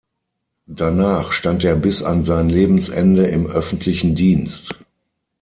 Danach stand er bis an sein Lebensende im öffentlichen Dienst.